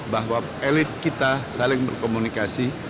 bahwa elit kita saling berkomunikasi